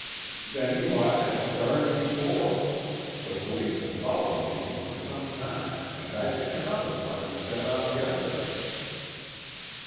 Then you ought to have started before. The police have followed Jimmy for some time and I think another party set off yesterday."